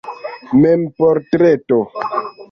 Memportreto.